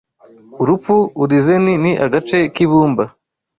Urupfu Urizeni ni agace k'ibumba